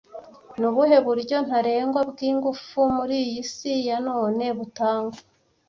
Ni ubuhe buryo ntarengwa bw'ingufu muri iyi si ya none butangwa